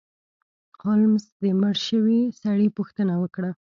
هولمز د مړ شوي سړي پوښتنه وکړه.